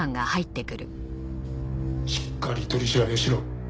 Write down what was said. しっかり取り調べしろ。